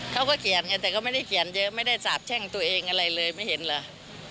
เขาก็เขียนไงแต่ก็ไม่ได้เขียนเยอะไม่ได้สาบแช่งตัวเองอะไรเลยไม่เห็นเหรอ